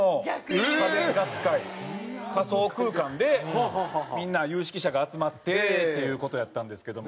仮想空間でみんな有識者が集まってっていう事やったんですけども。